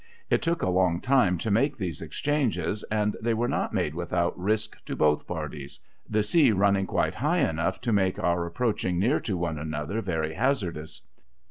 It took a long time to make these exchanges, and they were not made without risk to both parties ; the sea running quite high enough to make our approaching near to one another very hazardous.